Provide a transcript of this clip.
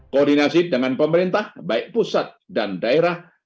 koordinasi dengan pemerintah baik pusat dan daerah